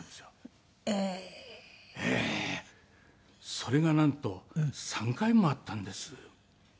それがなんと３回もあったんです。